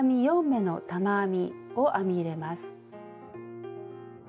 ４目の玉編みを編み入れます。